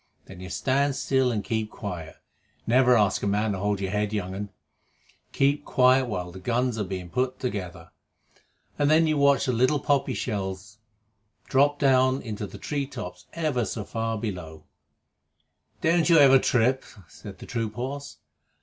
Then you stand still and keep quiet never ask a man to hold your head, young un keep quiet while the guns are being put together, and then you watch the little poppy shells drop down into the tree tops ever so far below." "Don't you ever trip?" said the troop horse.